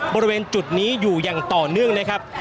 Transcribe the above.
บริเวณจุดนี้อยู่อย่างต่อเนื่องนะครับ